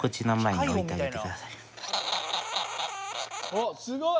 おっすごい。